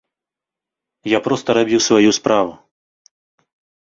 Я проста рабіў сваю справу.